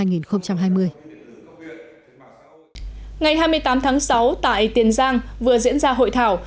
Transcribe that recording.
ngày hai mươi tám tháng sáu tại tiền giang vừa diễn ra hội thảo